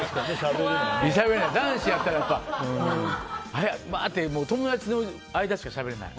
男子やったら友達の間しかしゃべれない。